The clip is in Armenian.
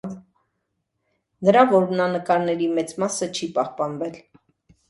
Նրա որնանկարների մեծ մասը չի պահպանվել։